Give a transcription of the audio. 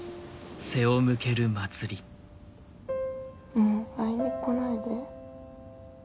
もう会いに来ないで。